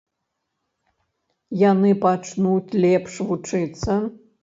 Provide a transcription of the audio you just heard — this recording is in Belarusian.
Яны пачнуць лепш вучыцца?